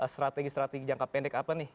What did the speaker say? strategi strategi jangka pendek apa nih